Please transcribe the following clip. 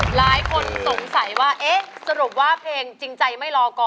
หลายคนสงสัยว่าเอ๊ะสรุปว่าเพลงจริงใจไม่รอก่อน